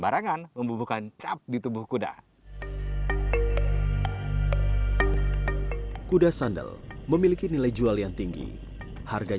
yang mana sandal muda yang mana yang bukan